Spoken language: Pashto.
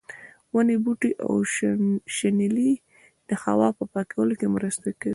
ونې، بوټي او شنېلی د هوا په پاکوالي کې مرسته کوي.